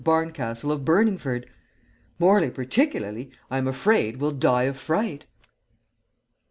Barncastle of Burningford! Morley particularly, I am afraid will die of fright!"